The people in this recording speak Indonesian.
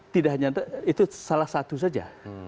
ternyata itu salah satu saja